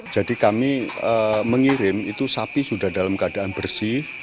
jadi kami mengirim itu sapi sudah dalam keadaan bersih